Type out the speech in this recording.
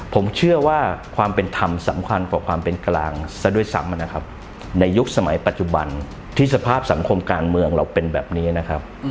ผมเชื่อว่าความเป็นธรรมสำคัญกว่าความเป็นกลางซะด้วยซ้ำนะครับในยุคสมัยปัจจุบันที่สภาพสังคมการเมืองเราเป็นแบบนี้นะครับ